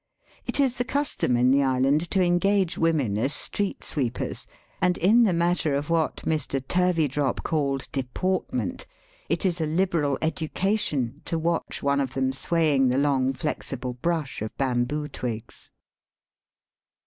It is the custom in the island to engage women as street sweepers, and in the matter of what Mr. Turveydrop called deportment, it is a liberal education to watch one of them swaying the long, flexible brush of bamboo twigs.